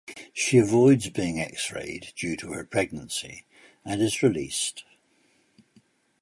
She avoids being X-rayed due to her pregnancy, and is released.